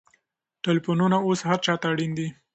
ټلېفونونه اوس هر چا ته اړین دي.